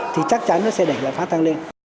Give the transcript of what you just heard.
thì chắc chắn nó sẽ đẩy lạm phát tăng lên